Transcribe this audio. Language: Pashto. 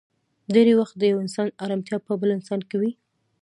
ډېری وخت د يو انسان ارمتيا په بل انسان کې وي.